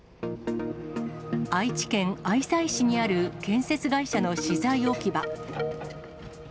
愛知県愛西市にある建設会社の資材置き場。